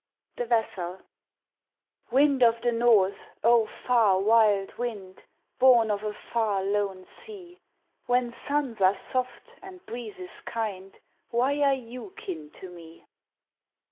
The Vassal WIND of the North, O far, wild wind Born of a far, lone sea When suns are soft and breezes kind Why are you kin to me?